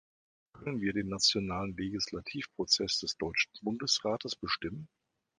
Können wir den nationalen Legislativprozess des deutschen Bundesrates bestimmen?